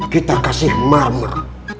kita kasih marmer